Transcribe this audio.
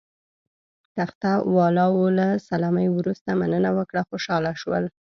تخته والاو له سلامۍ وروسته مننه وکړه، خوشاله شول.